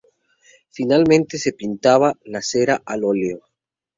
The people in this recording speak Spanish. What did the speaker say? Finalmente se pintaba la cera al óleo.